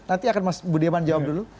nanti akan mas budiman jawab dulu